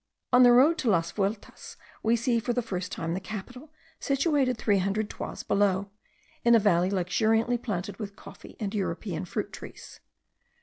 On the road to Las Vueltas we see for the first time the capital, situated three hundred toises below, in a valley luxuriantly planted with coffee and European fruit trees.